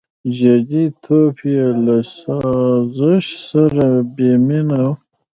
• جديتوب یې له سازش سره بېمینه و.